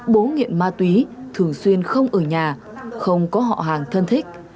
bố nghiện ma túy thường xuyên không ở nhà không có họ hàng thân thích